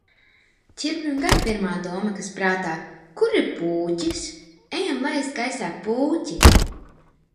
Ķirbim gan pirmā doma kas prāta – kur ir pūķis? Ejam laist gaisā pūķi!